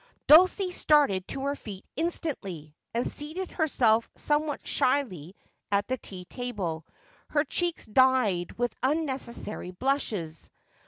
Dulcie started to her feet instantly, and seated herself some what shyly at the tea table, her cheeks dyed with unnecessary blushes.